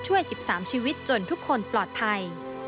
ช่วย๑๓ชีวิตจนทุกคนปลอดภัย